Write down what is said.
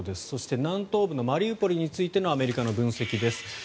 そして南東部のマリウポリについてのアメリカの分析です。